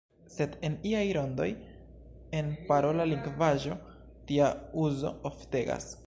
Sed en iaj rondoj, en parola lingvaĵo, tia uzo oftegas.